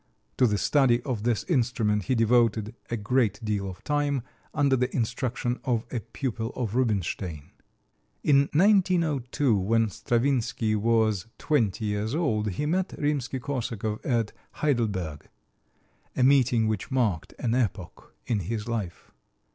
To the study of this instrument he devoted a great deal of time, under the instruction of a pupil of Rubinstein. In 1902, when Stravinsky was twenty years old, he met Rimsky Korsakov at Heidelberg a meeting which marked an epoch in his life.